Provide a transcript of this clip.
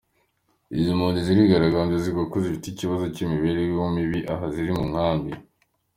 Izi mpunzi zigaragambyaga zivuga ko zifite ikibazo cy’ imibereho mibi aho ziri mu kambi.